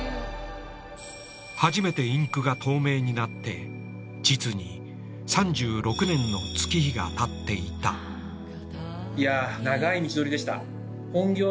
初めてインクが透明になって実に３６年の月日がたっていた魔法のコップから３０年。